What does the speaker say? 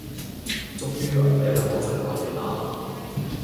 終於有人幫手入下野啦